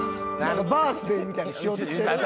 あの『バース・デイ』みたいにしようとしてる？